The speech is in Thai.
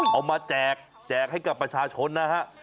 มาแจกแจกให้กับประชาชนนะฮะ